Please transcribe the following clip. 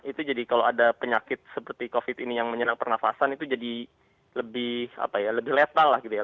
itu jadi kalau ada penyakit seperti covid ini yang menyenang pernafasan itu jadi lebih letal lah gitu ya